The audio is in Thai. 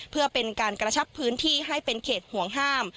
เพื่อเป็นการกระชับพื้นที่ให้เป็นเขตห่วงห้าม